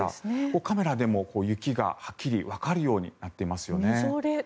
カメラでも雪がはっきりわかるようになっていますよね。